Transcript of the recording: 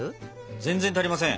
全然足りません。